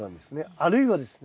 あるいはですね